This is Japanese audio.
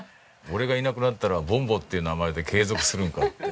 俺がいなくなったら「母ん母」っていう名前で継続するのかって。